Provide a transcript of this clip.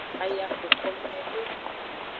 Aya xoko nyuiede.